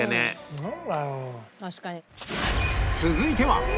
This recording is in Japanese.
続いては